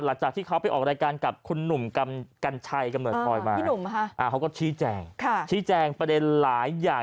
หลังจากที่เขาไปออกรายการกับคุณหนุ่มกันชัยกำหนดพรอยมา